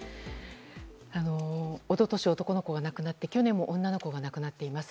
一昨年、男の子が亡くなって去年も女の子が亡くなっています。